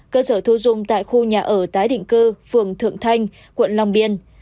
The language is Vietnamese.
cơ sở thu dung tại khu nhà ở tái định cư phường thượng thanh quận long biên